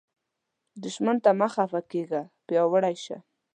دښمن ته مه خفه کیږه، پیاوړی شه